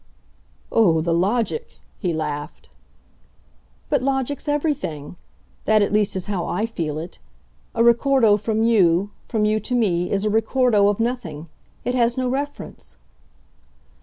"Oh, the logic !" he laughed. "But logic's everything. That, at least, is how I feel it. A ricordo from you from you to me is a ricordo of nothing. It has no reference."